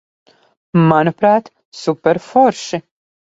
Manuprāt, superforši.